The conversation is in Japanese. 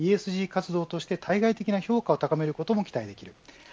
ＥＳＧ活動として対外的な評価を高めることもできます。